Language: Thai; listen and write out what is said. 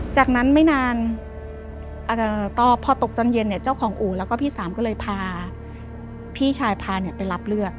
จากนั้นไม่นานพอตกตอนเย็นเนี่ยเจ้าของอู่แล้วก็พี่สามก็เลยพาพี่ชายพาไปรับเลือด